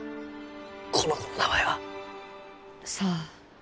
この子の名前は？さあ。